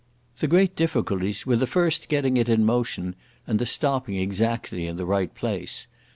The great difficulties were the first getting it in motion and the stopping exactly in the right place.